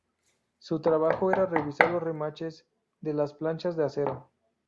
Su trabajo era revisar los remaches de las planchas de acero.